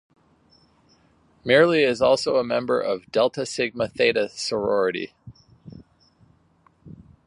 Myrlie is also a member of Delta Sigma Theta sorority.